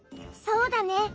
そうだね。